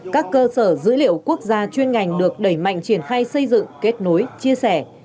các cơ sở dữ liệu quốc gia chuyên ngành được đẩy mạnh triển khai xây dựng kết nối chia sẻ